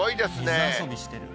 水遊びしてる。